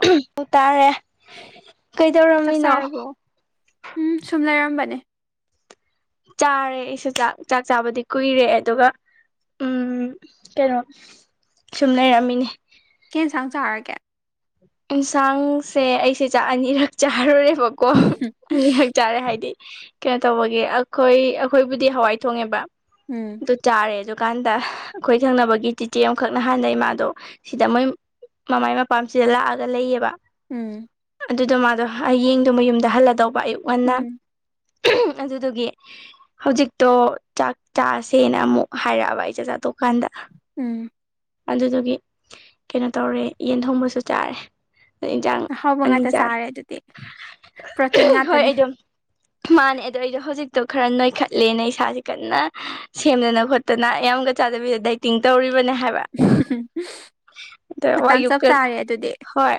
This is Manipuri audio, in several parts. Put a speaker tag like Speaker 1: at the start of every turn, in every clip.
Speaker 1: [unintelligible] ꯎꯝ ꯇꯥꯔꯦ
Speaker 2: ꯆꯥꯛ
Speaker 1: ꯀꯩꯗꯧꯔꯝꯃꯤꯅꯣ
Speaker 2: ꯆꯥꯔꯕꯣ ꯎꯝ ꯁꯨꯝ ꯂꯩꯔꯝꯕꯅꯦ
Speaker 1: ꯆꯥꯔꯦ ꯑꯩꯁꯨ ꯆꯥꯛ ꯆꯥꯛ ꯆꯥꯕꯗꯤ ꯀꯨꯏꯔꯦ ꯑꯗꯨꯒ ꯎꯝ ꯀꯩꯅꯣ ꯁꯨꯝ ꯂꯩꯔꯝꯃꯤ
Speaker 2: ꯁꯥꯡ ꯆꯥꯔꯒꯦ
Speaker 1: ꯑꯦꯟꯁꯥꯡꯁꯦ ꯑꯩꯁꯦ ꯆꯥꯛ ꯑꯅꯤꯔꯛ ꯆꯥꯔꯨꯔꯦ ꯀꯣ ꯑꯅꯤꯈꯛ ꯆꯥꯔꯦ ꯍꯥꯏꯗꯤ ꯀꯩꯅꯣꯇꯧꯕꯒꯤ ꯑꯈꯣꯏ ꯑꯈꯣꯏꯕꯨꯗꯤ ꯍꯋꯥꯏ ꯊꯣꯡꯉꯦꯕ
Speaker 2: ꯎꯝ
Speaker 1: ꯑꯗꯨ ꯆꯥꯔꯦ ꯑꯗꯨ ꯀꯥꯟꯗ ꯑꯈꯣꯏ ꯊꯪꯅꯕꯒꯤ ꯆꯤꯆꯦ ꯑꯃꯈꯛ ꯅꯍꯥꯟꯗꯩ ꯃꯥꯗꯣ ꯁꯤꯗ ꯃꯣꯏ ꯃꯃꯥꯏ ꯃꯥꯞ ꯄꯥꯝꯁꯤꯗ ꯂꯥꯛꯑꯒ ꯂꯩꯌꯦꯕ
Speaker 2: ꯎꯝ
Speaker 1: ꯑꯗꯨꯗꯣ ꯃꯥꯗꯣ ꯍꯌꯦꯡꯗꯨ ꯃꯌꯨꯝꯗ ꯍꯜꯂꯗꯧꯕ ꯑꯌꯨꯛ ꯉꯟꯅ
Speaker 2: ꯎꯝ
Speaker 1: ꯑꯗꯨꯗꯨꯒꯤ ꯍꯧꯖꯤꯛꯇꯣ ꯆꯥꯛ ꯆꯥꯁꯦꯅ ꯑꯃꯨꯛ ꯍꯥꯏꯔꯛꯑꯕ ꯑꯩ ꯆꯥꯛ ꯆꯥ ꯇꯣꯛꯀꯥꯟꯗ
Speaker 2: ꯎꯝ
Speaker 1: ꯑꯗꯨꯗꯨꯒꯤ ꯀꯩꯅꯣ ꯇꯧꯔꯦ ꯌꯦꯟ ꯊꯣꯡꯕꯁꯨ ꯆꯥꯔꯦ ꯏꯟꯖꯥꯡ
Speaker 2: ꯑꯍꯥꯎꯕ
Speaker 1: ꯑꯅꯤ
Speaker 2: ꯉꯥꯛꯇ
Speaker 1: ꯆꯥꯔꯦ
Speaker 2: ꯑꯗꯨꯗꯤ ꯄ꯭ꯔꯣꯇꯤꯟ
Speaker 1: ꯍꯣꯏ
Speaker 2: ꯉꯥꯛꯇꯅꯦ
Speaker 1: ꯑꯩ ꯗꯣ ꯃꯥꯟꯅꯦ ꯑꯩꯗꯣ ꯑꯩꯗꯣ ꯍꯧꯖꯤꯛꯇꯣ ꯈꯥꯔ ꯅꯣꯏꯈꯠꯂꯦꯅ ꯏꯁꯥꯁꯦ ꯀꯟꯅ ꯁꯦꯝꯗꯅ ꯈꯣꯠꯇꯅ ꯌꯥꯝꯒ ꯆꯥꯗꯕꯤꯗ ꯗꯥꯏꯇꯤꯡ ꯇꯧꯔꯤꯕꯅꯦ ꯍꯥꯏꯕ ꯑꯗꯣ
Speaker 2: ꯃꯇꯥꯡ ꯆꯞ
Speaker 1: ꯑꯌꯨꯛꯀ
Speaker 2: ꯆꯥꯔꯦ ꯑꯗꯨꯗꯤ
Speaker 1: ꯍꯣꯏ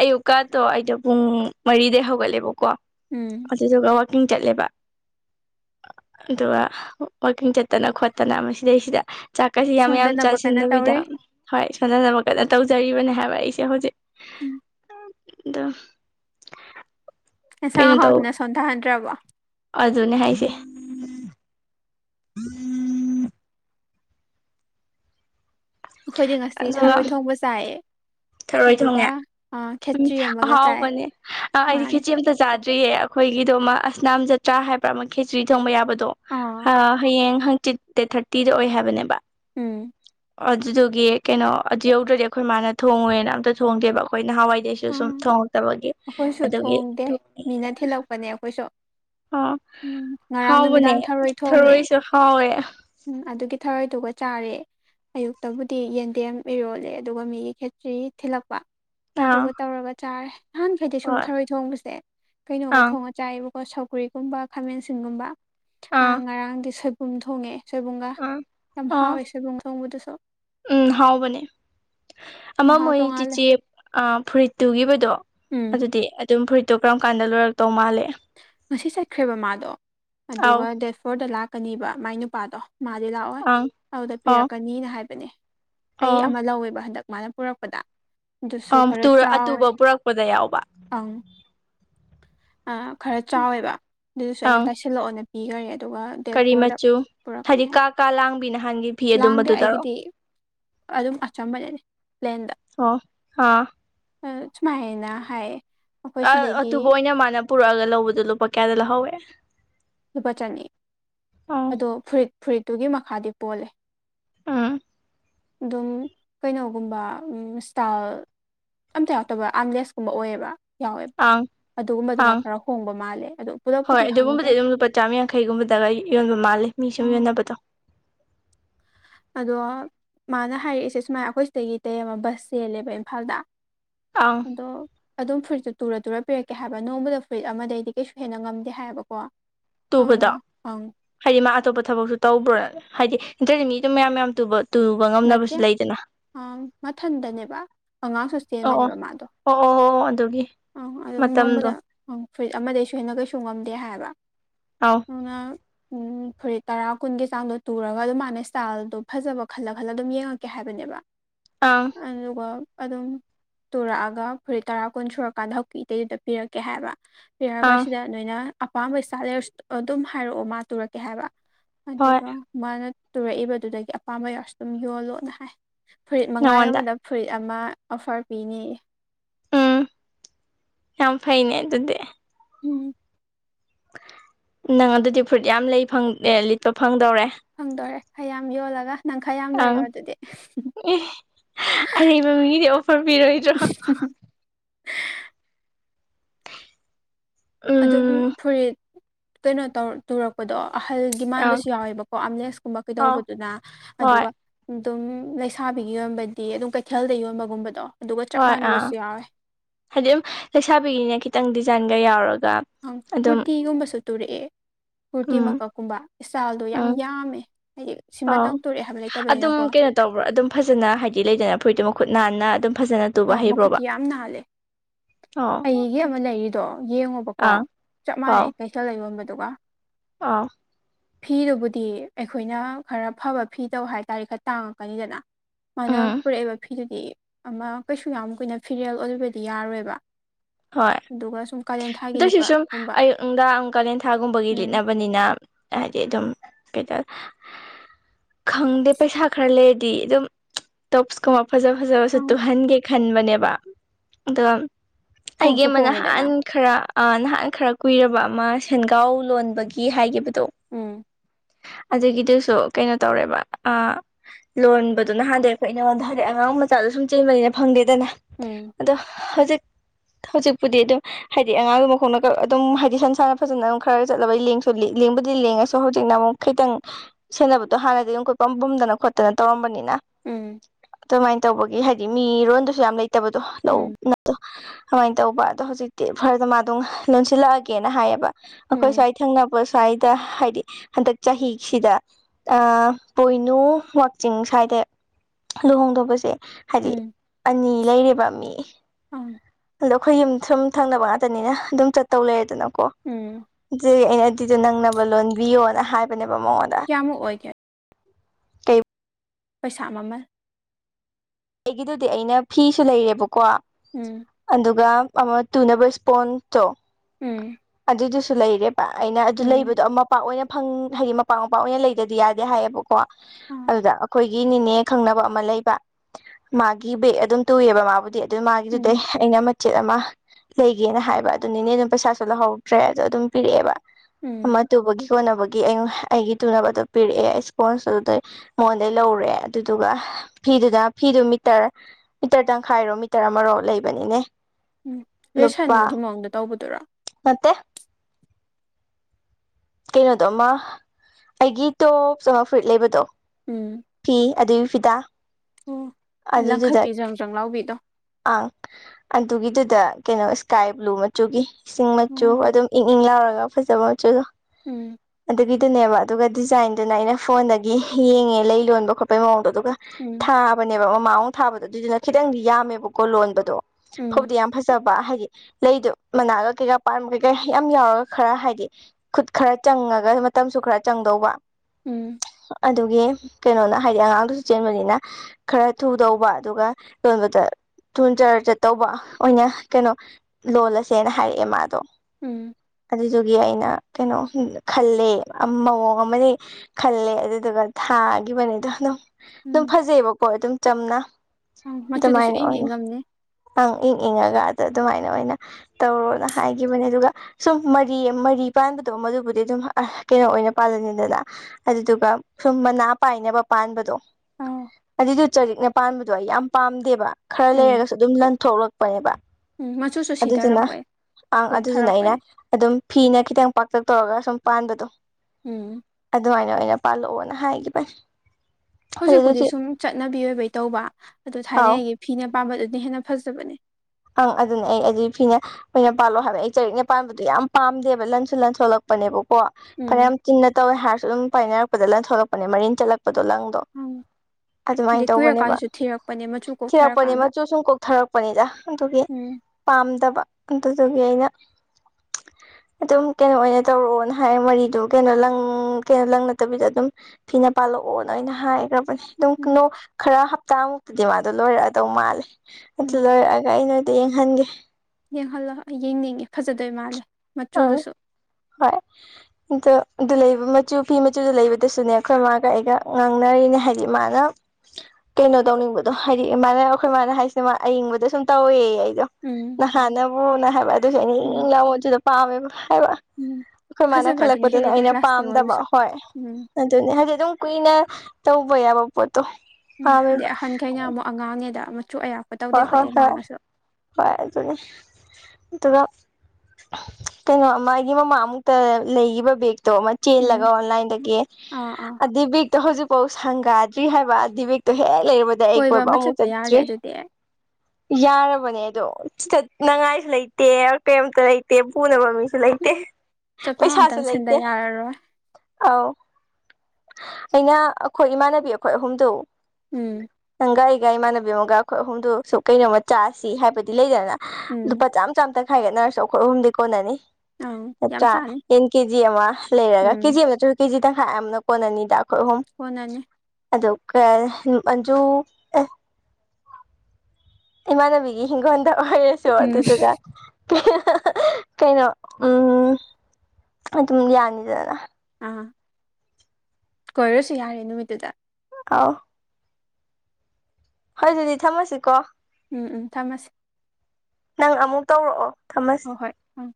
Speaker 1: ꯑꯌꯨꯛꯀꯇꯣ ꯑꯩꯗꯣ ꯄꯨꯡ ꯃꯔꯤꯗꯩ ꯍꯧꯒꯠꯂꯦꯕꯀꯣ
Speaker 2: ꯎꯝ
Speaker 1: ꯑꯗꯨꯗꯨꯒ ꯋꯥꯛꯀꯤꯡ ꯆꯠꯂꯦꯕ ꯑꯗꯨꯒ ꯋꯥꯛꯀꯤꯡ ꯆꯠꯇꯅ ꯈꯣꯠꯇꯅ ꯃꯁꯤꯗꯩꯁꯤꯗ ꯆꯥꯛꯀꯁꯤ ꯌꯥꯝ ꯌꯥꯝ
Speaker 2: ꯁꯣꯟꯗꯅꯕ ꯀꯟꯅ
Speaker 1: ꯆꯥꯁꯤꯟꯗꯕꯤꯗ
Speaker 2: ꯇꯧꯔꯤ
Speaker 1: ꯍꯣꯏ ꯁꯥꯟꯅꯅꯕ ꯀꯟꯅ ꯇꯧꯖꯔꯤꯕꯅꯦ ꯍꯥꯏꯕ ꯑꯩꯁꯦ ꯍꯧꯖꯤꯛ
Speaker 2: ꯎꯝ
Speaker 1: ꯗꯣ
Speaker 2: ꯑꯦꯟꯁꯥꯡ ꯑꯍꯥꯎꯕꯅ ꯁꯣꯟꯊꯍꯟꯗ꯭ꯔꯕꯣ
Speaker 1: ꯑꯗꯨꯅꯦ ꯍꯥꯏꯁꯦ
Speaker 2: ꯑꯈꯣꯏꯗꯤ ꯉꯁꯤ
Speaker 1: ꯑꯗꯨꯒ
Speaker 2: ꯊꯔꯣꯏ ꯊꯣꯡꯕ ꯆꯥꯏꯌꯦ
Speaker 1: ꯊꯔꯣꯏ
Speaker 2: ꯑꯗꯨꯒ
Speaker 1: ꯊꯣꯡꯉꯦ
Speaker 2: ꯑꯥ
Speaker 1: ꯎꯝ
Speaker 2: ꯈꯦꯆ꯭ꯔꯤ ꯑꯃꯒ ꯆꯥꯏ
Speaker 1: ꯑꯍꯥꯎꯕꯅꯦ ꯑꯩꯗꯤ
Speaker 2: ꯃꯥꯅꯦ
Speaker 1: ꯈꯦꯆꯤ ꯑꯝꯇ ꯆꯥ ꯗ꯭ꯔꯤꯌꯦ ꯑꯈꯣꯏꯒꯤꯗꯣ ꯑꯃ ꯑꯁꯅꯥꯝ ꯖꯇ꯭ꯔꯥ ꯍꯥꯏꯕ꯭ꯔꯥ ꯑꯃ ꯈꯦꯆ꯭ꯔꯤ ꯊꯣꯡꯕ ꯌꯥꯕꯗꯣ
Speaker 2: ꯑꯥ
Speaker 1: ꯍꯌꯦꯡ ꯆꯤꯠ ꯗꯦꯠ ꯊꯥꯔꯇꯤꯗ ꯑꯣꯏ ꯍꯥꯏꯕꯅꯦꯕ
Speaker 2: ꯎꯝ
Speaker 1: ꯑꯗꯨꯗꯨꯒꯤ ꯀꯩꯅꯣ ꯑꯗꯨ ꯌꯧꯗ꯭ꯔꯗꯤ ꯑꯈꯣꯏ ꯃꯥꯅ ꯊꯣꯡꯉꯣꯏꯅ ꯑꯝꯇ ꯊꯣꯡꯗꯦꯕ ꯑꯈꯣꯏ ꯅꯍꯋꯥꯏꯗꯩꯁꯨ ꯁꯨꯝ ꯊꯣꯡꯉꯛꯇꯕꯒꯤ
Speaker 2: ꯑꯈꯣꯏꯁꯨ
Speaker 1: ꯑꯗꯨꯒꯤ
Speaker 2: ꯊꯣꯡꯗꯦ
Speaker 1: ꯊꯣꯡꯉꯦ
Speaker 2: ꯃꯤꯅ ꯊꯤꯜꯂꯛꯄꯅꯦ ꯑꯈꯣꯏꯁꯨ
Speaker 1: ꯑꯥ
Speaker 2: ꯎꯝ ꯉꯔꯥꯡ
Speaker 1: ꯍꯥꯎꯕꯅꯦ
Speaker 2: ꯅꯨꯃꯤꯗꯥꯡ ꯊꯔꯣꯏ ꯊꯣꯡꯉꯦ
Speaker 1: ꯊꯔꯣꯏꯁꯨ ꯍꯥꯎꯋꯦ
Speaker 2: ꯎꯝ ꯑꯗꯨꯒꯤ ꯊꯔꯣꯏꯗꯨꯒ ꯆꯥꯔꯦ ꯑꯌꯨꯛꯇꯕꯨꯗꯤ ꯌꯦꯟꯗꯦꯝ ꯏꯔꯣꯜꯂꯦ ꯑꯗꯨꯒ ꯃꯤꯒꯤ ꯈꯦꯆ꯭ꯔꯤ ꯊꯤꯜꯂꯛꯄ
Speaker 1: ꯑꯥ
Speaker 2: ꯑꯗꯨꯒ ꯇꯧꯔꯒ ꯆꯥꯔꯦ ꯅꯍꯥꯟꯈꯩꯗꯤ ꯁꯨꯝ
Speaker 1: ꯍꯣꯏ
Speaker 2: ꯊꯔꯣꯏ ꯊꯣꯡꯕꯁꯦ ꯀꯩꯅꯣꯒ
Speaker 1: ꯑꯥ
Speaker 2: ꯊꯣꯡꯉ ꯆꯥꯏꯌꯦꯕ ꯀꯣ ꯁꯧꯒ꯭ꯔꯤꯒꯨꯝꯕ ꯈꯥꯃꯦꯟꯁꯤꯟꯒꯨꯝꯕ
Speaker 1: ꯑꯥ
Speaker 2: ꯉꯔꯥꯡꯗꯤ ꯁꯣꯏꯕꯨꯝ ꯊꯣꯡꯉꯦ ꯁꯣꯏꯕꯨꯝꯒ
Speaker 1: ꯑꯥ
Speaker 2: ꯌꯥꯝ
Speaker 1: ꯑꯥ
Speaker 2: ꯍꯥꯎꯋꯦ ꯁꯣꯏꯕꯨꯝ ꯊꯣꯡꯕꯗꯨꯁꯨ
Speaker 1: ꯎꯝ ꯍꯥꯎꯕꯅꯦ ꯑꯃ
Speaker 2: ꯃꯍꯥꯎ
Speaker 1: ꯃꯣꯏ
Speaker 2: ꯇꯣꯡꯉꯥꯜꯂꯦ
Speaker 1: ꯆꯤꯆꯦ ꯑꯥ ꯐꯨꯔꯤꯠ ꯇꯨꯒꯤꯕꯗꯣ
Speaker 2: ꯎꯝ
Speaker 1: ꯑꯗꯨꯗꯤ ꯑꯗꯨꯝ ꯐꯨꯔꯤꯠꯇꯣ ꯀꯔꯝ ꯀꯥꯟꯗ ꯂꯣꯏꯔꯛꯇꯧ ꯃꯥꯜꯂꯦ
Speaker 2: ꯉꯁꯤ ꯆꯠꯈ꯭ꯔꯦꯕ ꯃꯥꯗꯣ
Speaker 1: ꯑꯧ
Speaker 2: ꯑꯗꯨꯒ ꯗꯦꯠ ꯐꯣꯔꯗ ꯂꯥꯛꯀꯅꯤꯕ ꯃꯥꯏ ꯅꯨꯄꯥꯗꯣ ꯃꯥꯗꯤ ꯂꯥꯛꯑꯣꯏ
Speaker 1: ꯑꯪ
Speaker 2: ꯑꯗꯨꯗ
Speaker 1: ꯑꯣ
Speaker 2: ꯄꯤꯔꯛꯀꯅꯤꯅ ꯍꯥꯏꯕꯅꯦ ꯑꯩ
Speaker 1: ꯑꯣ
Speaker 2: ꯑꯃ ꯂꯧꯋꯦꯕ ꯍꯟꯗꯛ ꯃꯥꯅ ꯄꯨꯔꯛꯄꯗ
Speaker 1: ꯑ
Speaker 2: ꯑꯗꯨꯁꯨ ꯈꯥꯔ ꯆꯥꯎꯋꯦ
Speaker 1: ꯑꯇꯨꯕ ꯄꯨꯔꯛꯄꯗ ꯌꯥꯎꯕ
Speaker 2: ꯑꯪ ꯑꯥ ꯈꯥꯔ ꯆꯥꯎꯋꯦꯕ ꯑꯗꯨꯁꯨ
Speaker 1: ꯑꯪ
Speaker 2: ꯑꯩꯅ ꯇꯥꯏꯁꯤꯜꯂꯛꯑꯣꯅ ꯄꯤꯈꯔꯦ ꯑꯗꯨꯒ ꯗꯦꯠ
Speaker 1: ꯀꯔꯤ
Speaker 2: ꯐꯣꯔꯗ
Speaker 1: ꯃꯆꯨ
Speaker 2: ꯄꯨꯔꯛꯀꯅꯤ
Speaker 1: ꯍꯥꯏꯗꯤ
Speaker 2: ꯍꯥꯏ
Speaker 1: ꯀꯥ ꯀꯥ ꯂꯥꯡꯕꯤ ꯅꯍꯥꯟꯒꯤ ꯐꯤ
Speaker 2: ꯂꯥꯡꯗꯦ
Speaker 1: ꯑꯗꯨꯝꯕꯗꯨꯗꯔꯣ
Speaker 2: ꯑꯩꯒꯤꯗꯤ ꯑꯗꯨꯝ ꯑꯆꯝꯕꯗꯅꯤ ꯄ꯭ꯂꯦꯟꯗ
Speaker 1: ꯑꯣ ꯑꯥ
Speaker 2: ꯑꯥ ꯁꯨꯃꯥꯏ ꯍꯥꯏꯅ ꯍꯥꯏ
Speaker 1: ꯑ ꯑꯇꯨꯕꯨ ꯑꯩꯅ ꯃꯥꯅ ꯄꯨꯔꯛꯑꯒ ꯂꯧꯕꯗꯣ ꯂꯨꯄꯥ ꯀꯌꯥꯗ ꯂꯧꯍꯧꯋꯦ
Speaker 2: ꯂꯨꯄꯥ ꯆꯥꯅꯤ
Speaker 1: ꯑꯪ
Speaker 2: ꯑꯗꯣ ꯐꯨꯔꯤꯠ ꯐꯨꯔꯤꯠꯇꯨꯒꯤ ꯃꯈꯥꯗꯤ ꯄꯣꯜꯂꯦ
Speaker 1: ꯑꯝ
Speaker 2: ꯑꯗꯨꯝ ꯀꯩꯅꯣꯒꯨꯝꯕ ꯎꯝ ꯁ꯭ꯇꯥꯏꯜ ꯑꯝꯇ ꯌꯥꯎꯔꯛꯇꯕ ꯑꯥꯝꯂꯦꯁꯀꯨꯝꯕ ꯑꯣꯏꯌꯦꯕ ꯌꯥꯎꯋꯦꯕ
Speaker 1: ꯑꯪ
Speaker 2: ꯑꯗꯨꯒꯨꯝꯕꯗꯨꯅ
Speaker 1: ꯑꯪ
Speaker 2: ꯈꯥꯔ ꯍꯣꯡꯕ ꯃꯥꯜꯂꯦ ꯑꯗꯨ
Speaker 1: ꯍꯣꯏ
Speaker 2: ꯄꯨꯂꯛꯄꯨꯗꯤ ꯍꯪꯗꯦ
Speaker 1: ꯑꯗꯨꯒꯨꯝꯕꯗꯤ ꯑꯗꯨꯝ ꯂꯨꯄꯥ ꯆꯥꯝꯃ ꯌꯥꯡꯈꯩꯒꯨꯝꯕꯗꯒ ꯌꯣꯟꯕ ꯃꯥꯜꯂꯦ ꯃꯤ ꯁꯨꯝ ꯌꯣꯟꯅꯕꯗꯣ
Speaker 2: ꯑꯗꯣ ꯃꯥꯅ ꯍꯥꯏꯔꯛꯏꯁꯦ ꯁꯨꯃꯥꯏꯅ ꯑꯈꯣꯏ ꯁꯤꯗꯒꯤ ꯏꯇꯩ ꯑꯃ ꯕꯁ ꯆꯦꯜꯂꯦꯕ ꯏꯝꯐꯥꯜꯗ
Speaker 1: ꯑꯪ
Speaker 2: ꯑꯗꯣ ꯑꯗꯝ ꯐꯨꯔꯤꯠꯇꯣ ꯇꯨꯔ ꯇꯨꯔ ꯄꯤꯔꯛꯀꯦ ꯍꯥꯏꯕ ꯅꯣꯡꯃꯗ ꯐꯨꯔꯤꯠ ꯑꯃꯗꯩꯗꯤ ꯀꯩꯁꯨ ꯍꯦꯟꯅ ꯉꯝꯗꯦ ꯍꯥꯏꯕꯀꯣ
Speaker 1: ꯇꯨꯕꯗꯣ ꯍꯥꯏꯗꯤ ꯃꯥ ꯑꯇꯣꯞꯄ ꯊꯕꯛꯁꯨ ꯇꯧꯕ꯭ꯔꯣ ꯍꯥꯏꯗꯤ [unintelligible] ꯃꯤꯗꯣ ꯃꯌꯥꯝ ꯃꯌꯥꯝ ꯇꯨꯕ ꯇꯨꯕ
Speaker 2: ꯅꯠꯇꯦ
Speaker 1: ꯉꯝꯗꯕꯁꯨ ꯂꯩꯗꯅ
Speaker 2: ꯑꯪ ꯃꯊꯟꯗꯅꯦꯕ ꯑꯉꯥꯡꯁꯨ
Speaker 1: ꯑꯣ ꯑꯣ
Speaker 2: ꯆꯦꯟꯕꯅꯦꯕ ꯃꯥꯗꯣ
Speaker 1: ꯑꯣ ꯑꯣ ꯑꯣ ꯑꯗꯨꯒꯤ
Speaker 2: ꯑꯪ ꯑꯗꯨꯝ
Speaker 1: ꯃꯇꯝꯗꯣ
Speaker 2: ꯅꯣꯡꯃꯗ ꯑꯪ ꯐꯨꯔꯤꯠ ꯑꯃꯗꯩꯁꯨ ꯍꯦꯟꯅ ꯀꯩꯁꯨ ꯉꯝꯗꯦ ꯍꯥꯏꯕ
Speaker 1: ꯑꯧ
Speaker 2: ꯄꯨꯔ [unintelligible] ꯎꯝ ꯐꯨꯔꯤꯠ ꯇꯔꯥ ꯀꯨꯟꯒꯤ ꯆꯥꯡꯗꯣ ꯇꯨꯔꯒ ꯑꯗꯨꯃꯥꯏꯅ ꯁ꯭ꯇꯥꯏꯜꯗꯣ ꯐꯖꯕ ꯈꯜꯂꯛ ꯈꯜꯂ ꯑꯗꯨꯝ ꯌꯦꯡꯉꯛꯀꯦ ꯍꯥꯏꯕꯅꯦꯕ
Speaker 1: ꯑꯪ
Speaker 2: ꯑꯗꯨꯒ ꯑꯗꯨꯝ ꯇꯨꯔꯛꯑꯒ ꯐꯨꯔꯤꯠ ꯇꯔꯥ ꯀꯨꯟ ꯁꯨꯔꯀꯥꯟꯗ ꯍꯧꯖꯤꯛꯀꯤ ꯏꯇꯩꯗꯨꯗ ꯄꯤꯔꯛꯀꯦ ꯍꯥꯏꯌꯦꯕ ꯄꯤꯔꯒ
Speaker 1: ꯑꯪ
Speaker 2: ꯁꯤꯗ ꯅꯣꯏꯅ ꯑꯄꯥꯝꯕ ꯁ꯭ꯇꯥꯏꯜ ꯂꯩꯔ ꯑꯗꯨꯝ ꯍꯥꯏꯔꯛꯑꯣ ꯃꯥ ꯇꯨꯔꯛꯀꯦ ꯍꯥꯏꯕ
Speaker 1: ꯍꯣꯏ
Speaker 2: ꯑꯗꯨꯒ ꯃꯥꯅ ꯇꯨꯔꯛꯏꯕꯗꯨꯗꯒꯤ ꯑꯄꯥꯝꯕ ꯌꯥꯎꯔꯁꯨ ꯑꯗꯨꯝ ꯌꯣꯜꯂꯣꯅ ꯍꯥꯏ ꯐꯨꯔꯤꯠ ꯃꯉꯥ
Speaker 1: ꯅꯉꯣꯟꯗ
Speaker 2: ꯌꯣꯟꯕꯗ ꯐꯨꯔꯤꯠ ꯑꯃ ꯑꯣꯐꯔ ꯄꯤꯅꯤꯌꯦ
Speaker 1: ꯎꯝ ꯌꯥꯝ ꯐꯩꯅꯦ ꯑꯗꯨꯗꯤ
Speaker 2: ꯎꯝ
Speaker 1: ꯅꯪ ꯑꯗꯨꯗꯤ ꯐꯨꯔꯤꯠ ꯌꯥꯝ ꯂꯩ ꯂꯤꯠꯄ ꯐꯪꯗꯧꯔꯦ
Speaker 2: ꯐꯪꯗꯣꯔꯦ ꯈꯔ ꯌꯥꯝ ꯌꯣꯜꯂꯒ ꯅꯪ ꯈ ꯌꯥꯝ
Speaker 1: ꯑꯪ
Speaker 2: ꯂꯩꯔꯣ ꯑꯗꯨꯗꯤ ꯎ
Speaker 1: ꯑꯦ ꯑꯔꯩꯕ ꯃꯤꯒꯤꯗꯤ ꯑꯣꯐꯔ ꯄꯤꯔꯣꯏꯗ꯭ꯔꯣ
Speaker 2: ꯑꯗꯨꯝ
Speaker 1: ꯎꯝ
Speaker 2: ꯐꯨꯔꯤꯠ ꯀꯩꯅꯣ ꯇꯧ ꯇꯨꯔꯛꯄꯗꯣ ꯑꯍꯜꯒꯤ
Speaker 1: ꯑꯪ
Speaker 2: ꯃꯥꯟꯕꯁꯨ ꯌꯥꯎꯋꯦꯕꯀꯣ ꯑꯝꯂꯦꯛꯁꯀꯨꯝꯕ
Speaker 1: ꯑꯧ
Speaker 2: ꯀꯩꯗꯧꯕꯗꯨꯅ
Speaker 1: ꯍꯣꯏ
Speaker 2: ꯑꯗꯨꯒ ꯑꯗꯨꯝ ꯂꯩꯁꯥꯕꯤꯒꯤ ꯌꯣꯟꯕꯗꯤ ꯑꯗꯨꯝ ꯀꯩꯊꯦꯜꯗ ꯌꯣꯟꯕꯒꯨꯝꯕꯗꯣ ꯑꯗꯨꯒ ꯆꯞ
Speaker 1: ꯍꯣꯏ ꯑꯥ
Speaker 2: ꯃꯥꯟꯅꯕꯁꯨ ꯌꯥꯎꯋꯦ
Speaker 1: ꯍꯥꯏꯗꯤ ꯑꯗꯨꯝ ꯂꯩꯁꯥꯕꯤꯒꯤꯅꯦꯅ ꯈꯤꯇꯪ ꯗꯤꯖꯥꯏꯟꯒ ꯌꯥꯎꯔꯒ
Speaker 2: ꯑꯪ
Speaker 1: ꯑꯗꯨꯝ
Speaker 2: ꯀꯨꯔꯇꯤꯒꯨꯝꯕꯁꯨ ꯇꯨꯔꯛꯑꯦ ꯀꯨꯔꯇꯤ
Speaker 1: ꯎꯝ
Speaker 2: ꯃꯀꯛꯀꯨꯝꯕ ꯏꯁꯇꯥꯏꯜꯗꯣ ꯌꯥꯝ ꯌꯥꯝꯃꯦ ꯍꯥꯏꯗꯤ
Speaker 1: ꯑꯥꯎ
Speaker 2: ꯁꯤꯃꯇꯪ ꯇꯨꯔꯛꯑꯦ ꯍꯥꯏꯕ
Speaker 1: ꯑꯗꯨꯝ
Speaker 2: ꯂꯩꯇꯕꯅꯤꯅꯀꯣ
Speaker 1: ꯀꯩꯅꯣ ꯇꯧꯕ꯭ꯔꯥ ꯑꯗꯨꯝ ꯐꯖꯅ ꯍꯥꯏꯗꯤ ꯂꯩꯗꯅ ꯐꯨꯔꯤꯠꯇꯣ ꯃꯈꯨꯠ ꯅꯥꯟꯅ ꯑꯗꯨꯝ ꯐꯖꯅ ꯇꯨꯕ
Speaker 2: ꯑꯥ
Speaker 1: ꯍꯩꯕ꯭ꯔꯣꯕ
Speaker 2: ꯃꯈꯨꯠꯇꯤ ꯌꯥꯝ ꯅꯥꯜꯂꯦ
Speaker 1: ꯑꯣ
Speaker 2: ꯑꯩꯒꯤ ꯑꯃ
Speaker 1: ꯑꯗꯨꯗꯤ
Speaker 2: ꯂꯩꯔꯤꯗꯣ ꯌꯦꯡꯉꯣꯕꯀꯣ
Speaker 1: ꯑꯥ
Speaker 2: ꯆꯞ ꯃꯥꯟꯅꯩ ꯀꯩꯊꯦꯜꯗ ꯌꯣꯟꯕꯗꯨꯒ
Speaker 1: ꯑꯥ
Speaker 2: ꯐꯤꯗꯨꯕꯨꯗꯤ ꯑꯩꯈꯣꯏꯅ ꯈꯔ ꯐꯕ ꯐꯤ ꯇꯧ ꯍꯥꯏ ꯇꯥꯔꯦ ꯈꯔ ꯇꯥꯡꯉꯛꯀꯅꯤꯗꯅ ꯃꯥꯅ
Speaker 1: ꯎꯝ
Speaker 2: ꯄꯨꯔꯛꯏꯕ ꯐꯤꯗꯨꯗꯤ ꯑꯃ ꯀꯩꯁꯨ ꯌꯥꯝ ꯀꯨꯏꯅ ꯐꯤꯔꯦꯜ ꯑꯣꯏꯕꯗꯤ ꯌꯥꯔꯣꯏꯕ ꯑꯗꯨꯒ ꯁꯨꯝ ꯀꯥꯂꯦꯟ ꯊꯥꯒꯤ
Speaker 1: ꯑꯗꯨꯑꯣꯏꯁꯨ ꯁꯨꯝ
Speaker 2: ꯂꯤꯠꯄꯒꯨꯝꯕ
Speaker 1: ꯑꯌꯨꯛ ꯅꯨꯡꯗꯥꯡ ꯀꯥꯂꯦꯟꯊꯥꯒꯨꯝꯕꯒꯤ
Speaker 2: ꯎꯝ
Speaker 1: ꯂꯤꯠꯅꯕꯅꯤꯅ ꯍꯥꯏꯗꯤ ꯑꯗꯨꯝ ꯀꯦꯇꯔ ꯈꯪꯗꯦ ꯄꯩꯁꯥ ꯈꯔ ꯂꯩꯔꯗꯤ ꯑꯗꯨꯝ ꯇꯣꯞ ꯀꯨꯝꯕ ꯐꯖ ꯐꯖꯕꯁꯨ
Speaker 2: ꯑꯪ
Speaker 1: ꯇꯨꯍꯟꯒꯦ ꯈꯟꯕꯅꯦꯕ ꯑꯗꯣ ꯑꯩꯒꯤ
Speaker 2: ꯍꯣꯡꯁꯨ ꯍꯣꯡꯉꯤꯗꯅ
Speaker 1: ꯑꯃꯅꯍꯥꯟ ꯈꯔ ꯅꯍꯥꯟ ꯈꯔ ꯀꯨꯏꯔꯕ ꯑꯃ ꯁꯦꯟꯒ꯭ꯔꯥꯎ ꯂꯣꯟꯕꯒꯤ ꯍꯥꯏꯒꯤꯕ ꯗꯣ
Speaker 2: ꯎꯝ
Speaker 1: ꯑꯗꯨꯒꯤꯗꯨꯁꯨ ꯀꯩꯅꯣ ꯇꯧꯔꯦꯕ ꯑ ꯂꯣꯟꯕꯗꯨ ꯅꯍꯥꯟꯗꯤ ꯑꯩꯈꯣꯏ ꯏ ꯅꯉꯣꯟꯗ ꯍꯥꯏꯔꯛꯑꯦ ꯑꯉꯥꯡ ꯃꯆꯥꯗꯣ ꯁꯨꯝ ꯆꯦꯟꯕꯅꯤꯅ ꯐꯪꯗꯦ ꯗꯅ
Speaker 2: ꯎꯝ
Speaker 1: ꯑꯗꯣ ꯍꯧꯖꯤꯛ ꯍꯧꯖꯤꯛꯄꯨꯗꯤ ꯑꯗꯨꯝ ꯍꯥꯏꯗꯤ ꯑꯉꯥꯡꯗꯨ ꯃꯈꯣꯡꯅ ꯑꯗꯨꯝ ꯍꯥꯏꯗꯤ ꯁꯟ ꯁꯥꯅ ꯐꯖꯅ ꯑꯗꯨꯝ ꯈꯔ ꯆꯠꯂꯕ ꯂꯦꯡꯁꯨ ꯂꯦꯡꯕꯨꯗꯤ ꯂꯦꯡꯉꯁꯨ ꯍꯧꯖꯤꯛ ꯑꯃꯨꯛ ꯈꯤꯇꯪ ꯁꯦꯟꯅꯕꯗꯣ ꯍꯥꯟꯅꯗꯤ ꯑꯗꯨ ꯀꯣꯏꯄꯝ ꯄꯨꯝꯗꯅ ꯈꯣꯠꯇꯅ ꯇꯧꯔꯝꯕꯅꯤꯅ
Speaker 2: ꯎꯝ
Speaker 1: ꯑꯗꯨꯃꯥꯏꯅ ꯇꯧꯕꯒꯤ ꯍꯥꯏꯗꯤ ꯃꯤꯔꯣꯟꯗꯁꯨ ꯌꯥꯝ ꯂꯩꯇꯕꯗꯣꯅꯗꯣ
Speaker 2: ꯎꯝ
Speaker 1: ꯑꯗꯨꯃꯥꯏꯅ ꯇꯧꯕ ꯑꯗꯣ ꯍꯧꯖꯤꯛ ꯇꯤ ꯐꯔꯗ ꯃꯥꯗꯣ ꯂꯣꯟꯁꯤꯜꯂꯛꯑꯒꯦꯅ ꯍꯥꯏꯌꯦꯕ ꯑꯩꯈꯣꯏ
Speaker 2: ꯎꯝ
Speaker 1: ꯁ꯭ꯋꯥꯏ ꯊꯦꯡꯅꯕ ꯁ꯭ꯋꯥꯏ ꯗ ꯍꯥꯏꯗꯤ ꯍꯟꯗꯛ ꯆꯍꯤꯁꯤꯗ ꯑ ꯄꯣꯏꯅꯨ ꯋꯥꯛꯆꯤꯡ ꯁ꯭ꯋꯥꯏꯗ ꯂꯨꯍꯣꯡꯗꯧꯕꯁꯦ ꯍꯥꯏꯗꯤ
Speaker 2: ꯎꯝ
Speaker 1: ꯑꯅꯤ ꯂꯩꯔꯦꯕ ꯃꯤ
Speaker 2: ꯑꯪ
Speaker 1: ꯑꯗꯣ ꯑꯩꯈꯣꯏ ꯌꯨꯝ ꯁꯨꯝ ꯊꯪꯅꯕ ꯉꯥꯛꯇꯅꯤꯅ ꯑꯗꯨꯝ ꯆꯠꯇꯧ ꯂꯩꯔꯦꯗꯅꯀꯣ
Speaker 2: ꯎꯝ
Speaker 1: ꯑꯗꯨꯗꯤ ꯑꯩꯅ ꯗꯤꯗ ꯅꯪꯅꯕ ꯂꯣꯟꯕꯤꯌꯣꯅ ꯍꯥꯏꯕꯅꯦꯕ ꯃꯉꯣꯟꯗ
Speaker 2: ꯀꯌꯥꯃꯨꯛ ꯑꯣꯏꯒꯦ
Speaker 1: ꯀꯩ
Speaker 2: ꯄꯩꯁꯥ ꯃꯃꯜ
Speaker 1: ꯑꯩꯒꯤꯗꯨꯗꯤ ꯑꯩꯅ ꯐꯤꯁꯨ ꯂꯩꯔꯦꯕꯀꯣ
Speaker 2: ꯎꯝ
Speaker 1: ꯑꯗꯨꯒ ꯑꯃ ꯇꯨꯅꯕ ꯏꯁꯄꯣꯟ ꯇꯣ
Speaker 2: ꯎꯝ
Speaker 1: ꯑꯗꯨꯏꯗꯨꯁꯨ ꯂꯩꯔꯦꯕ ꯑꯩꯅ ꯑꯗꯨ
Speaker 2: ꯎꯝ
Speaker 1: ꯂꯩꯕꯗꯣ ꯃꯄꯥꯛ ꯑꯣꯏꯅ ꯐꯪ ꯍꯥꯏꯗꯤ ꯃꯄꯥꯛ ꯃꯄꯥꯛ ꯑꯣꯏꯅ ꯂꯩꯗꯗꯤ ꯌꯥꯗꯦ ꯍꯥꯏꯌꯦꯕꯀꯣ
Speaker 2: ꯑꯥ
Speaker 1: ꯑꯗꯨꯗ ꯑꯈꯣꯏꯒꯤ ꯅꯤꯅꯦ ꯈꯪꯅꯕ ꯑꯃ ꯂꯩꯕ ꯃꯥꯒꯤ ꯕꯦꯒ ꯑꯗꯨꯝ ꯇꯨꯏꯑꯕ ꯃꯥꯕꯨꯗꯤ ꯑꯗꯨ ꯃꯥꯒꯤꯗꯨꯗꯩ
Speaker 2: ꯎꯝ
Speaker 1: ꯑꯩꯅ ꯑꯃ ꯆꯦꯠ ꯑꯃ ꯂꯩꯒꯦꯅ ꯍꯥꯏꯕ ꯑꯗꯨꯅꯤꯅꯦ ꯑꯗꯨꯝ ꯄꯩꯁꯥꯁꯨ ꯂꯧꯍꯧꯗ꯭ꯔꯦ ꯑꯗꯣ ꯑꯗꯨꯝ ꯄꯤꯔꯛꯑꯦꯕ
Speaker 2: ꯎꯝ
Speaker 1: ꯑꯃ ꯇꯨꯕꯒꯤ ꯇꯧꯅꯕꯒꯤ ꯑꯩ ꯑꯩꯒꯤ ꯇꯨꯅꯕꯗꯣ ꯄꯤꯔꯛꯑꯦ ꯑꯩ ꯏꯁꯄꯣꯟꯁ ꯑꯗꯨꯗꯩ ꯃꯉꯣꯟꯗꯩ ꯂꯧꯔꯦ ꯑꯗꯨꯗꯨꯒ ꯐꯤꯗꯨꯗ ꯐꯤꯗꯨ ꯃꯤꯇꯔ ꯃꯤꯇꯔ ꯇꯪꯈꯥꯏꯔꯣ ꯃꯤꯇꯔ ꯑꯃꯔꯣ ꯂꯩꯕꯅꯤꯅꯦ
Speaker 2: ꯎꯝ
Speaker 1: ꯂꯨꯄꯥ
Speaker 2: ꯔꯦꯁꯟꯒꯤ ꯃꯑꯣꯡꯗ ꯇꯧꯕꯗꯨꯔꯣ
Speaker 1: ꯅꯠꯇꯦ ꯀꯩꯅꯣꯗꯣ ꯑꯃ ꯑꯩꯒꯤ ꯇꯣꯞꯁ ꯑꯃ ꯐꯨꯔꯤꯠ ꯂꯩꯕꯗꯣ
Speaker 2: ꯎꯝ
Speaker 1: ꯐꯤ ꯑꯗꯨꯏ ꯐꯤꯗꯥ
Speaker 2: ꯑꯣ
Speaker 1: ꯑꯗꯨꯗꯨꯗ
Speaker 2: ꯂꯪꯈꯠꯄꯤ ꯖꯪ ꯖꯪ ꯂꯥꯎꯕꯤꯗꯣ
Speaker 1: ꯑꯥ ꯑꯗꯨꯒꯤꯗꯨꯗ ꯀꯩꯅꯣ ꯁ꯭ꯀꯥꯏ ꯕ꯭ꯂꯨ ꯃꯆꯨꯒꯤ ꯏꯁꯤꯡ ꯃꯆꯨ
Speaker 2: ꯎꯝ
Speaker 1: ꯑꯗꯨꯝ ꯏꯪ ꯏꯪ ꯂꯥꯎꯔꯒ ꯐꯖꯕ ꯃꯆꯨꯗꯣ
Speaker 2: ꯎꯝ
Speaker 1: ꯑꯗꯨꯅꯦꯕ ꯑꯗꯨꯒ ꯗꯤꯖꯥꯏꯟꯗꯨꯅ ꯑꯩꯅ ꯐꯣꯟꯗꯒꯤ ꯌꯦꯡꯉꯦ ꯂꯩ ꯂꯣꯟꯕ ꯈꯣꯠꯄꯒꯤ ꯃꯑꯣꯡꯗꯣ ꯑꯗꯨꯒ
Speaker 2: ꯎꯝ
Speaker 1: ꯊꯥ ꯃꯑꯣꯡ ꯊꯥꯕꯗꯣ ꯑꯗꯨꯗꯨꯅ ꯈꯤꯇꯪꯗꯤ ꯌꯥꯝꯃꯦꯕꯀꯣ ꯂꯣꯟꯕꯗꯣ
Speaker 2: ꯎꯝ
Speaker 1: ꯐꯕꯨꯗꯤ ꯌꯥꯝ ꯐꯖꯕ ꯍꯥꯏꯗꯤ ꯂꯩꯗꯣ ꯃꯅꯥꯒ ꯀꯩꯀꯥ ꯄꯥꯟꯕ ꯀꯩꯀꯥ ꯌꯥꯝ ꯌꯥꯎꯔꯒ ꯈꯥꯔ ꯍꯥꯏꯗꯤ ꯈꯨꯠ ꯈꯥꯔ ꯆꯪ ꯆꯪꯉꯒ ꯃꯇꯝꯁꯨ ꯈꯥꯔ ꯆꯪꯗꯧꯕ
Speaker 2: ꯎꯝ
Speaker 1: ꯒꯤ ꯀꯩꯅꯣꯅ ꯍꯥꯏꯗꯤ ꯑꯉꯥꯡꯗꯨꯁꯨ ꯆꯦꯟꯕꯅꯤꯅ ꯈꯥꯔ ꯊꯨꯗꯧꯕ ꯑꯗꯨꯒ ꯂꯣꯟꯕꯗꯣ ꯊꯨꯟ ꯖꯔ ꯆꯠꯇꯧꯕ ꯑꯣꯏꯅ ꯀꯩꯅꯣ ꯂꯣꯜꯂꯁꯦꯅ ꯍꯥꯏꯔꯛꯑꯦ ꯃꯥꯗꯣ
Speaker 2: ꯎꯝ
Speaker 1: ꯑꯗꯨꯗꯨꯒꯤ ꯑꯩꯅ ꯀꯩꯅꯣ ꯈꯜꯂꯦ ꯃꯑꯣꯡ ꯑꯃꯗꯤ ꯈꯜꯂꯦ ꯑꯗꯨꯗꯨꯒ ꯊꯥꯈꯤꯕꯅꯤꯗ ꯑꯗꯨꯝ ꯑꯗꯨꯝ
Speaker 2: ꯎꯝ
Speaker 1: ꯐꯖꯩꯕ ꯑꯗꯨꯝ ꯆꯝꯅ
Speaker 2: ꯑꯪ
Speaker 1: ꯑꯗꯨꯃꯥꯏ
Speaker 2: ꯃꯆꯨꯗꯨꯁꯨ ꯏꯪ
Speaker 1: ꯑꯣꯏꯅ
Speaker 2: ꯏꯪꯉꯝꯅꯤ
Speaker 1: ꯑ ꯏꯪꯏꯪ ꯑꯗꯨꯝꯃꯥꯏꯅ ꯑꯣꯏꯅ ꯇꯧꯔꯣꯅ ꯍꯥꯏꯒꯤꯕꯅꯦ ꯑꯗꯨꯒ ꯁꯨꯝ ꯃꯔꯤ ꯃꯔꯤ ꯄꯥꯟꯕꯣ ꯑꯗꯨꯕꯨꯗꯤ ꯑꯗꯨꯝ ꯑꯍ ꯀꯩꯅꯣ ꯑꯣꯏꯅ ꯄꯥꯜꯂꯅꯤꯗꯅ ꯑꯗꯨꯗꯨꯒ ꯁꯨꯝ ꯃꯅꯥ ꯄꯥꯏꯅꯕ ꯄꯥꯟꯕꯗꯣ
Speaker 2: ꯑꯥꯎ
Speaker 1: ꯑꯗꯨꯏꯗꯨ ꯆꯔꯤꯛꯅ ꯄꯥꯟꯕꯗꯣ ꯑꯩ ꯌꯥꯝ ꯄꯥꯝꯗꯦꯕ ꯈꯥꯔ
Speaker 2: ꯎꯝ
Speaker 1: ꯂꯩꯔꯒꯁꯨ ꯑꯗꯨꯝ ꯂꯟꯊꯣꯛꯂꯛꯄꯅꯦꯕ
Speaker 2: ꯎꯝ ꯃꯆꯨꯁꯨ
Speaker 1: ꯑꯗꯨꯗꯨꯅ
Speaker 2: ꯁꯤꯊꯔꯛꯄꯩ
Speaker 1: ꯑꯪ ꯑꯗꯨꯗꯨꯅ ꯑꯩꯅ
Speaker 2: ꯀꯣꯛꯊꯔꯛꯄꯅꯦ
Speaker 1: ꯑꯗꯨꯝ ꯐꯤꯅ ꯈꯤꯇꯪ ꯄꯥꯛ ꯇꯣꯔꯒ ꯁꯨꯝ ꯄꯥꯟꯕꯗꯣ
Speaker 2: ꯎꯝ
Speaker 1: [unintelligible] ꯄꯥꯜꯂꯛꯑꯣꯅ ꯍꯥꯏꯈꯤꯕ
Speaker 2: ꯍꯧꯖꯤꯛꯄꯨꯗꯤ ꯁꯨꯝ ꯆꯠꯅꯕꯤ ꯑꯣꯏꯕꯩ ꯇꯧꯕ ꯑꯗꯨ
Speaker 1: ꯑꯥꯎ
Speaker 2: ꯊꯥꯏꯅꯉꯩꯒꯤ ꯐꯤꯅ ꯑꯄꯥꯕꯗꯨꯅ ꯍꯦꯟꯅ ꯐꯖꯕꯅꯦ
Speaker 1: ꯑꯪ ꯑꯗꯨꯅꯦ ꯑꯩ ꯑꯗꯨ ꯐꯤꯅ ꯑꯣꯏꯅ ꯄꯥꯜꯂꯣ ꯍꯥꯏꯕ ꯑꯩ ꯆꯔꯤꯛꯅ ꯄꯥꯟꯕꯗꯨ ꯌꯥꯝ ꯄꯥꯝꯗꯦꯕ ꯂꯟꯁꯨꯟ ꯂꯟ ꯊꯣꯛꯂꯛꯄꯅꯦꯕꯀꯣ ꯀꯣ
Speaker 2: ꯎꯝ
Speaker 1: ꯐꯅꯌꯥꯝ ꯆꯤꯟꯅ ꯇꯧꯋꯦ ꯍꯥꯏꯔꯁꯨ ꯑꯗꯨꯝ ꯄꯥꯏꯅꯔꯛꯄꯗ ꯂꯪꯟꯊꯣꯛꯂꯛꯄꯅꯦ ꯃꯔꯤꯟ ꯆꯠꯂꯛꯄꯗꯣ ꯂꯪꯗꯣ ꯑꯗꯨꯃꯥꯏꯅ
Speaker 2: ꯑꯗꯩ
Speaker 1: ꯇꯧꯕꯅꯦꯕ
Speaker 2: ꯀꯨꯏꯔꯀꯥꯟꯗꯁꯨ ꯊꯤꯔꯛꯄꯅꯦ ꯃꯆꯨ
Speaker 1: ꯊꯤꯔꯛꯄꯅꯦ
Speaker 2: ꯀꯣꯛꯊꯔꯀꯥꯟꯗ
Speaker 1: ꯃꯆꯨ ꯁꯨꯝ ꯀꯣꯛꯊꯔꯛꯄꯅꯤꯗ ꯑꯗꯨꯒꯤ
Speaker 2: ꯎꯝ
Speaker 1: ꯄꯥꯝꯗꯕ ꯑꯗꯨꯗꯨꯒꯤ ꯑꯩꯅ ꯑꯗꯨꯝ ꯀꯩꯅꯣ ꯑꯣꯏꯅ ꯇꯧꯔꯛꯑꯣꯅ ꯍꯥꯏ ꯃꯔꯤꯗꯣ ꯀꯩꯅꯣ ꯂꯪ ꯀꯩꯅꯣ ꯂꯪ ꯅꯠꯇꯕꯤꯗ ꯑꯗꯨꯝ ꯐꯤꯅ ꯄꯥꯜꯂ [unintelligible] ꯑꯣꯅ ꯑꯩꯅ ꯍꯥꯏꯒꯞ ꯑꯗꯨꯝ
Speaker 2: ꯎꯝ
Speaker 1: ꯀꯩꯅꯣ ꯈꯥꯔ ꯍꯞꯇꯥꯃꯨꯛꯇꯗꯤ ꯃꯥꯗꯣ ꯂꯣꯏꯔꯛꯑꯗꯧ ꯃꯥꯜꯂꯦ ꯑꯗꯨ
Speaker 2: ꯎꯝ
Speaker 1: ꯂꯣꯏꯔ ꯑꯩ ꯅꯣꯏꯗ ꯌꯦꯡꯍꯟꯒꯦ
Speaker 2: ꯌꯦꯡꯍꯜꯂꯣ ꯑꯩ ꯌꯦꯡꯅꯤꯡꯉꯦ ꯐꯖꯗꯣꯏ ꯃꯥꯜꯂꯦ
Speaker 1: ꯑꯪ
Speaker 2: ꯃꯆꯨꯗꯨꯁꯨ
Speaker 1: ꯍꯣꯏ ꯑꯗꯣ ꯑꯗꯨ ꯂꯩꯕ ꯃꯆꯨ ꯐꯤ ꯃꯆꯨꯗ ꯂꯩꯕꯗꯨꯁꯨꯅꯦ ꯑꯈꯣꯏ ꯃꯥꯒ ꯑꯩꯒ ꯉꯥꯡꯅꯔꯤꯅꯦ ꯍꯥꯏꯗꯤ ꯃꯥꯅ ꯀꯩꯅꯣ ꯇꯧꯅꯤꯡꯕꯗꯣ ꯍꯥꯏꯗꯤ ꯏꯃꯥꯅ ꯑꯩꯈꯣꯏ ꯃꯥꯥꯅ ꯍꯥꯏꯁꯤꯅ ꯃꯥ ꯑꯏꯪꯕꯗꯣ ꯁꯨꯝ ꯇꯧꯋꯦꯌꯦ ꯑꯩ
Speaker 2: ꯎꯝ
Speaker 1: ꯅꯍꯥꯟꯅꯅ ꯍꯥꯏꯕ ꯑꯗꯨꯁꯨ ꯑꯩꯅ ꯏꯪ
Speaker 2: ꯎꯝ
Speaker 1: ꯏꯪ ꯂꯥꯎꯕ ꯃꯆꯨꯗꯣ ꯄꯥꯝꯃꯦ ꯍꯥꯏꯕ
Speaker 2: ꯎꯝ
Speaker 1: ꯑꯈꯣꯏ ꯃꯥꯅ
Speaker 2: ꯐꯖꯕ ꯑꯗꯨꯅ
Speaker 1: ꯈꯜꯂꯛꯄꯗꯨꯅ
Speaker 2: ꯍꯦꯜꯂꯤꯗ
Speaker 1: ꯑꯩꯅ
Speaker 2: ꯂꯥꯁꯇꯤꯡ
Speaker 1: ꯄꯥꯝꯗꯕ
Speaker 2: ꯑꯣꯏꯕꯁꯨ
Speaker 1: ꯍꯣꯏ
Speaker 2: ꯎꯝ
Speaker 1: ꯑꯗꯨꯅꯤ ꯍꯥꯏꯗꯤ ꯗꯨꯝ ꯀꯨꯏꯅ ꯇꯧꯕ ꯌꯥꯕ ꯄꯣꯠꯇꯣ
Speaker 2: ꯑꯗꯩ
Speaker 1: ꯄꯥꯝꯃꯦꯕ
Speaker 2: ꯑꯍꯟꯈꯩꯅ ꯑꯃꯨꯛ ꯑꯉꯥꯡꯅꯦꯗ ꯃꯆꯨ ꯑꯌꯥꯛꯄ ꯇꯧꯗꯦ
Speaker 1: ꯍꯣꯏ ꯍꯣꯏ
Speaker 2: ꯈꯣꯠꯇꯦ
Speaker 1: ꯍꯣꯏ
Speaker 2: ꯉꯥꯡꯉꯁꯨ
Speaker 1: ꯍꯣꯏ ꯑꯗꯨꯅꯤ ꯑꯗꯨꯒ ꯀꯩꯅꯣ ꯑꯃꯒꯤ ꯃꯃꯥꯃꯨꯛꯇ ꯂꯩꯒꯤꯕ ꯕꯦꯛ ꯇꯣ ꯑꯃ
Speaker 2: ꯎꯝ
Speaker 1: ꯆꯦꯜꯂꯒ ꯑꯣꯟꯂꯥꯏꯟꯗꯒꯤ
Speaker 2: ꯑꯥ ꯑꯥ
Speaker 1: ꯑꯗꯨ ꯕꯦꯛꯇꯣ ꯍꯧꯖꯤꯛ ꯄꯥꯎ ꯁꯪꯒꯥꯗ꯭ꯔꯤ ꯍꯥꯏꯕ ꯗ ꯨꯕꯦꯛꯇꯣ ꯍꯦꯛ ꯂꯩꯕꯗꯩ ꯑꯩ ꯀꯣꯏꯕ
Speaker 2: ꯑꯃ
Speaker 1: ꯑꯃꯨꯛꯐꯥꯎ
Speaker 2: ꯆꯠꯄ ꯌꯥꯔꯦ
Speaker 1: ꯆꯠꯇ꯭ꯔꯤ
Speaker 2: ꯑꯗꯨꯗꯤ
Speaker 1: ꯌꯥꯔꯕꯅꯦ ꯑꯗꯣ ꯆꯠꯅꯉꯥꯏꯁꯨ ꯂꯩꯇꯦ ꯀꯩꯝꯇ ꯂꯩꯇꯦ ꯄꯨꯅꯕ ꯃꯤ ꯂꯩꯇꯦ
Speaker 2: ꯆꯠꯐꯝ
Speaker 1: ꯄꯩꯁꯥꯁꯨ
Speaker 2: ꯑꯃꯇꯪ ꯁꯤꯟꯗ
Speaker 1: ꯂꯩꯇꯦ
Speaker 2: ꯌꯥꯔꯔꯣꯏ
Speaker 1: ꯑꯥꯎ ꯑꯩꯅ ꯑꯈꯣꯏ ꯏꯃꯥꯟꯅꯕꯤ ꯑꯈꯣꯏ ꯑꯍꯨꯝꯗꯣ
Speaker 2: ꯎꯝ
Speaker 1: [unintelligible] ꯏꯃꯥꯟꯅꯕꯤ ꯑꯃꯒ ꯑꯈꯣꯏ ꯑꯍꯨꯝꯗꯨ ꯁꯨꯝ ꯀꯩꯅꯣꯝꯃ ꯆꯥꯁꯤ ꯍꯥꯏꯕꯗꯤ ꯂꯩꯔꯒ
Speaker 2: ꯎꯝ
Speaker 1: ꯂꯨꯄꯥ ꯆꯥꯝ ꯆꯥꯝ ꯇꯪ ꯈꯥꯏꯒꯠꯅꯔꯁꯨ ꯑꯩꯈꯣꯏ ꯑꯍꯨꯝꯗꯤ ꯀꯣꯟꯅꯅꯤ
Speaker 2: ꯑꯪ ꯌꯥꯝ
Speaker 1: ꯅꯠꯇ꯭ꯔꯥ
Speaker 2: ꯆꯥꯅꯤ
Speaker 1: ꯌꯦꯟ ꯀꯦꯖꯤ ꯑꯃ ꯂꯩꯔꯒ
Speaker 2: ꯎꯝ
Speaker 1: ꯀꯦꯖꯤ ꯑꯃꯗꯁꯨ ꯀꯦꯖꯤ ꯇꯪꯈꯥꯏ ꯑꯃꯅ ꯀꯣꯟꯅꯅꯤꯗ ꯑꯈꯣꯏ ꯑꯍꯨꯝ
Speaker 2: ꯀꯣꯟꯅꯅꯤ
Speaker 1: ꯑꯗꯨꯒ ꯃꯟꯖꯨ ꯑꯦ ꯏꯃꯥꯟꯅꯕꯤꯒꯤ ꯍꯤꯡꯒꯣꯟꯗ ꯑꯣꯏꯔꯁꯨ
Speaker 2: ꯎꯝ
Speaker 1: ꯑꯗꯨꯗꯨꯒ ꯀꯩꯅꯣ ꯎꯝ ꯑꯗꯨꯝ ꯌꯥꯅꯤꯗꯅ
Speaker 2: ꯑ ꯀꯣꯏꯔꯨꯁꯤ ꯌꯥꯔꯦ ꯅꯨꯃꯤꯠꯇꯨꯗ
Speaker 1: ꯑꯥꯎ ꯍꯣꯏ ꯑꯗꯨꯗꯤ ꯊꯝꯃꯁꯤ ꯀꯣ
Speaker 2: ꯎꯝ ꯎꯝ ꯊꯝꯃꯁꯤ
Speaker 1: ꯅꯪ ꯑꯃꯨꯛ ꯇꯧꯔꯛꯑꯣ ꯊꯝꯃꯁꯤ
Speaker 2: ꯍꯣꯏ ꯍꯣꯏ ꯎꯝ